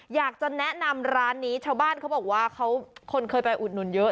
อยากจะแนะนำร้านนี้ชาวบ้านเขาบอกว่าเขาคนเคยไปอุดหนุนเยอะ